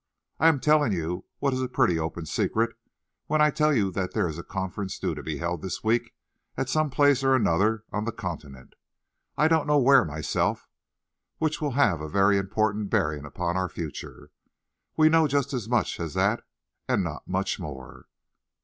I am telling you what is a pretty open secret when I tell you that there is a conference due to be held this week at some place or another on the continent I don't know where, myself which will have a very important bearing upon our future. We know just as much as that and not much more."